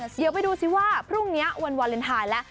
เดี๋ยวไปดูซิว่าพรุ่งนี้วันวาเลนไทยแล้ว